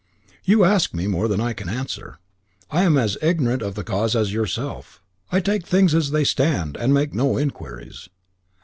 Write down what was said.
"You ask me more than I can answer. I am as ignorant of the cause as yourself. I take things as they stand, and make no inquiries.